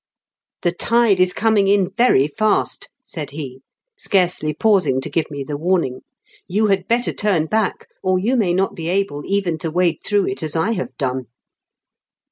" The tide is coming in very fast," said he. CAUGHT BY THE TIDE. 263 scarcely pausing to give me the warning. " You had better turn back, or you may not be able even to wade through it as I have done."